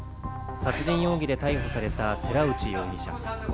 殺人容疑で逮捕された寺内容疑者。